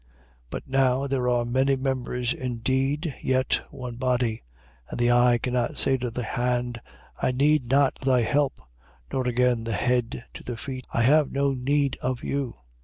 12:20. But now there are many members indeed, yet one body. 12:21. And the eye cannot say to the hand: I need not thy help. Nor again the head to the feet: I have no need of you.